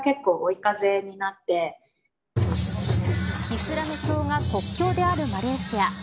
イスラム教が国教であるマレーシア。